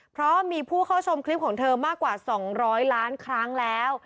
เพราะมีผู้เข้าชมคลิปของเธอมากกว่า๒๐๐ล้านครั้งแล้ว